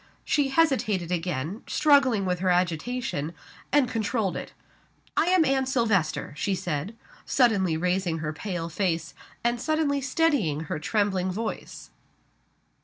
She hesitated again; struggled with her agitation, and controlled it. "I am Anne Silvester," she said, suddenly raising her pale face, and suddenly steadying her trembling voice.